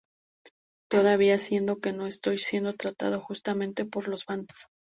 Y todavía siento que no estoy siendo tratado justamente por los fans.